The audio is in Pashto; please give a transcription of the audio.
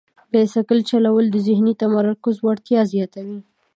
بایسکل چلول د ذهني تمرکز وړتیا زیاتوي.